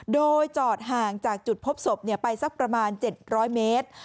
โดยจอดห่างจากจุดพบศพไปสักประมาณ๗๐๐เมตร